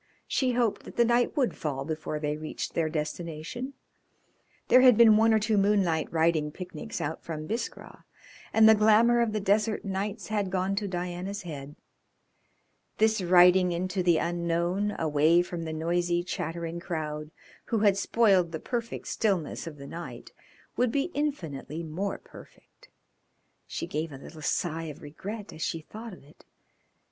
She hoped that the night would fall before they reached their destination. There had been one or two moonlight riding picnics out from Biskra, and the glamour of the desert nights had gone to Diana's head. This riding into the unknown away from the noisy, chattering crowd who had spoiled the perfect stillness of the night would be infinitely more perfect. She gave a little sigh of regret as she thought of it.